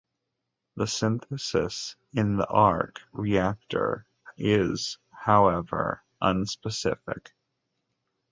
The synthesis in the arc reactor is however unspecific.